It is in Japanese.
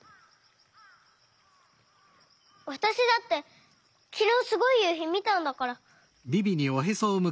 わたしだってきのうすごいゆうひみたんだから。